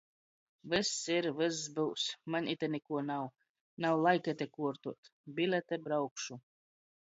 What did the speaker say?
Vyss ir. Vyss byus. Maņ ite nikuo nav. Nav laika ite kuortuot. Bilete. Braukšu.